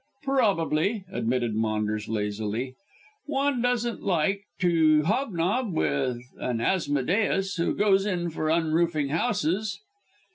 "Probably," admitted Maunders lazily. "One doesn't like to hob nob with an Asmodeus who goes in for unroofing houses."